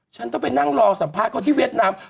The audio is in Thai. ฉันต้องไปนั่งรอสัมภาษณ์เขาที่เวียดนาม